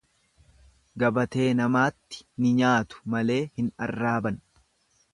Gabatee namaatti ni nyaatu malee hin arraaban.